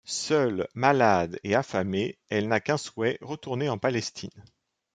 Seule, malade et affamée, elle n'a qu'un souhait: retourner en Palestine.